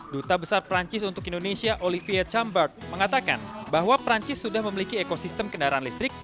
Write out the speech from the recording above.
duta besar perancis untuk indonesia olivia chambert mengatakan bahwa perancis sudah memiliki ekosistem kendaraan listrik